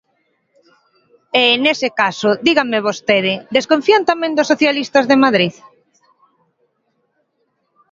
E, nese caso, dígame vostede, ¿desconfían tamén dos socialistas de Madrid?